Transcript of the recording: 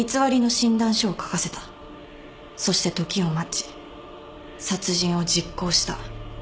そして時を待ち殺人を実行した。